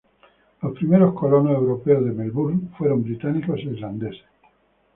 Los primeros colonos europeos de Melbourne fueron británicos e irlandeses.